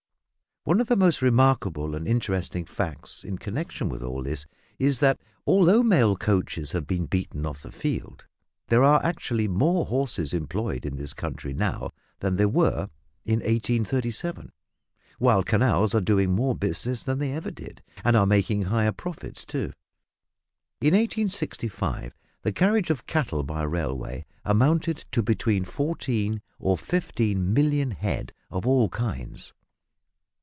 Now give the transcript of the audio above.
One of the most remarkable and interesting facts in connexion with all this is, that although mail coaches have been beaten off the field, there are actually more horses employed in this country now than there were in 1837, while canals are doing more business than they ever did, and are making higher profits too. In 1865 the carriage of cattle by railway amounted to between fourteen or fifteen million head of all kinds.